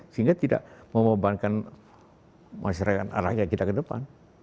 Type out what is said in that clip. sehingga tidak membebankan masyarakat rakyat kita ke depan